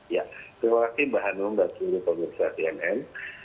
ya terima kasih mbak hanum dan seluruh pemerintah tnn